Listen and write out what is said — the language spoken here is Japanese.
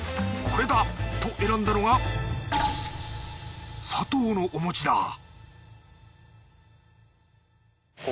これだ！と選んだのがサトウのお餅だ